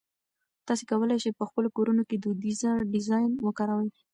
تاسي کولای شئ په خپلو کورونو کې دودیزه ډیزاین وکاروئ.